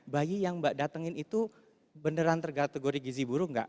bayi yang mbak datengin itu beneran terkategori gizi buruk nggak